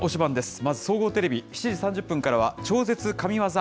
まず総合テレビ、７時３０分からは超絶神業！